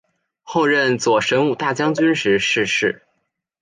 后任左神武大将军时逝世。